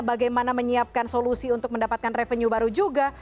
bagaimana menyiapkan solusi untuk mendapatkan revenue baru juga